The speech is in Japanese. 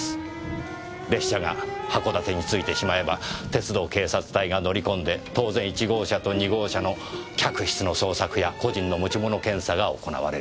列車が函館に着いてしまえば鉄道警察隊が乗り込んで当然１号車と２号車の客室の捜索や個人の持ち物検査が行われる。